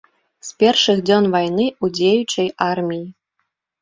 З першых дзён вайны ў дзеючай арміі.